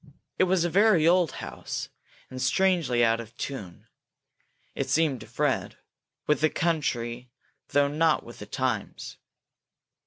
It was a very old house, and strangely out of tune, it seemed to Fred, with the country though not with the times.